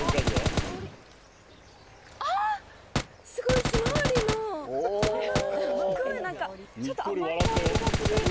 あー、すごいひまわりの花のすごい、ちょっと甘い香りがする。